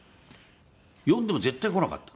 呼んでも絶対来なかった。